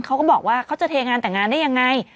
เขาก็บอกว่าเขาจะเทงานแต่งงานได้ยังไง